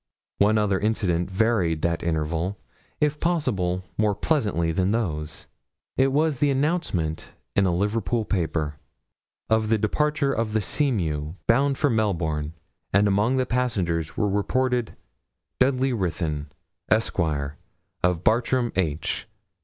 One other incident varied that interval, if possible more pleasantly than those. It was the announcement, in a Liverpool paper, of the departure of the Seamew, bound for Melbourne; and among the passengers were reported 'Dudley Ruthyn, Esquire, of Bartram H.